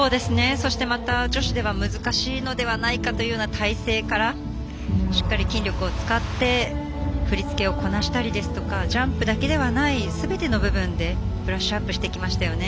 また、女子では難しいのではないかという体勢から、しっかり筋力を使って振り付けをこなしたりですとかジャンプだけではないすべての部分でブラッシュアップしてきましたよね。